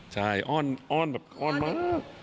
ใช่อ้อนแบบอ้อนมาก